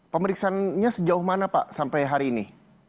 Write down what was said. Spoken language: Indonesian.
pemeriksaannya sejauh mana pak sampai hari ini